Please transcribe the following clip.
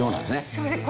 すいません。